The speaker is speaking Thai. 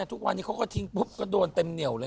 ทุกวันนี้เขาก็ทิ้งปุ๊บก็โดนเต็มเหนียวเลย